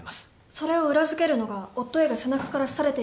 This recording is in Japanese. それを裏付けるのが夫Ａが背中から刺されていることです。